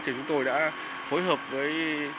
thì chúng tôi đã phối hợp với